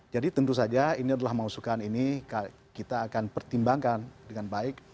jadi tentu saja ini adalah mausukan ini kita akan pertimbangkan dengan baik